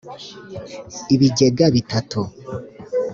ibigega bitatu,